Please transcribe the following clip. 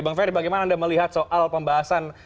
bang ferry bagaimana anda melihat soal pembahasan